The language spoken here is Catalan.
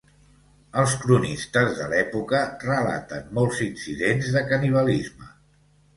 Els cronistes de l'època relaten molts incidents de canibalisme.